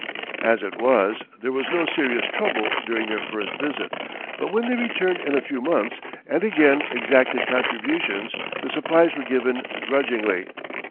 As it was, there was no serious trouble during their first visit, but when they returned in a few months and again exacted contributions the supplies were given grudgingly.